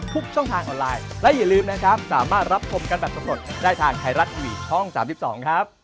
พบกันแบบสมบัติได้ทางไทยรัตน์ทีวีช่อง๓๒ครับ